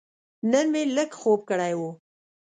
نن مې لږ خوب کړی و.